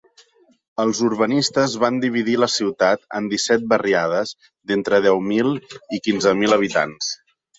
Els urbanistes van dividir la ciutat en disset barriades d'entre deu mil i quinze mil habitants.